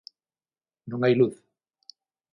Non hai luz.